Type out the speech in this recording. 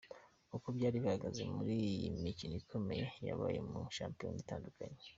Uko byari bihagaze mu yindi mikino ikomeye yabaye mu mashapiyona atandukanye.